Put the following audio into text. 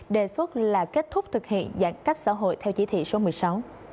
đề xuất là kết thúc thực hiện giãn cách xã hội theo chỉ thị số một mươi sáu